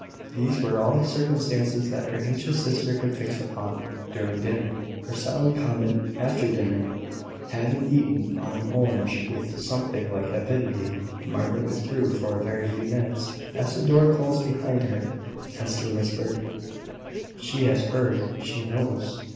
These were all the circumstances that her anxious sister could fix upon, during dinner, for silent comment. After dinner, having eaten an orange with something like avidity, Margaret withdrew for a very few minutes. As the door closed behind her, Hester whispered "She has heard. She knows.